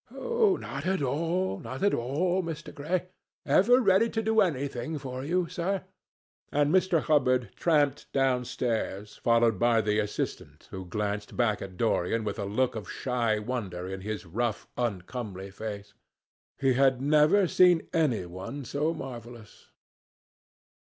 "Not at all, not at all, Mr. Gray. Ever ready to do anything for you, sir." And Mr. Hubbard tramped downstairs, followed by the assistant, who glanced back at Dorian with a look of shy wonder in his rough uncomely face. He had never seen any one so marvellous.